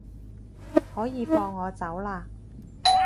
可以放我走喇